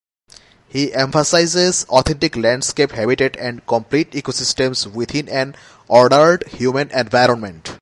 He emphasizes authentic landscape-habitat and complete ecosystems-within an ordered human environment.